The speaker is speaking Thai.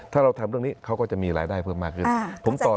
ถ้าเราทำเรื่องนี้เขาก็จะมีรายได้เพิ่มมากขึ้น